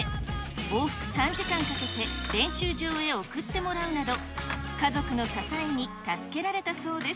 往復３時間かけて、練習場へ送ってもらうなど、家族の支えに助けられたそうです。